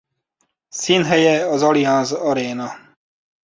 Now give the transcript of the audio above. Színhelye az Allianz Arena.